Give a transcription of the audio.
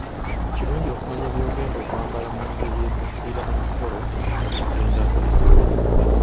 Kirungi okumanya bw'ogenda okwambala mu ngeri etuukira n'omukolo gw'ogendako.